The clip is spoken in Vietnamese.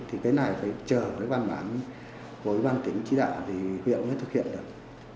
thì cái này phải chờ cái bàn bán với ban tỉnh chỉ đạo thì huyện mới thực hiện được